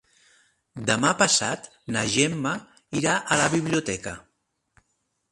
Demà passat na Gemma irà a la biblioteca.